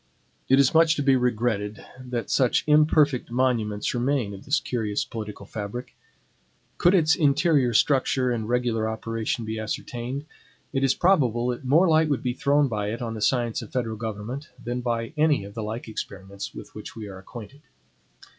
It is much to be regretted that such imperfect monuments remain of this curious political fabric. Could its interior structure and regular operation be ascertained, it is probable that more light would be thrown by it on the science of federal government, than by any of the like experiments with which we are acquainted.